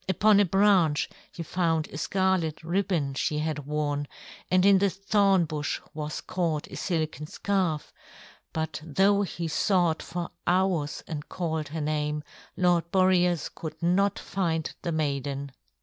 Upon a branch he found a scarlet ribbon she had worn, and in the thorn bush was caught a silken scarf; but though he sought for hours and called her name, Lord Boreas could not find the maiden.